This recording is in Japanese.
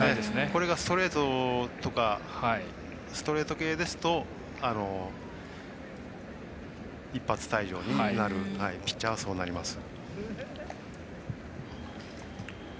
これがストレートとかストレート系ですと一発退場にピッチャーはそうなります。